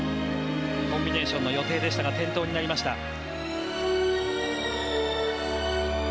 コンビネーションの予定でしたが、転倒になりました。